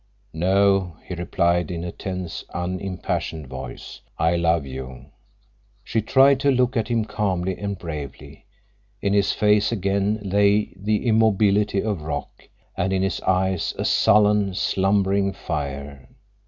"No," he replied in a tense, unimpassioned voice. "I love you." She tried to look at him calmly and bravely. In his face again lay the immobility of rock, and in his eyes a sullen, slumbering fire.